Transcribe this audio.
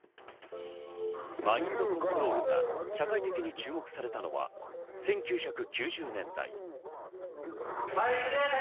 マインドコントロールが社会的に注目されたのは、１９９０年代。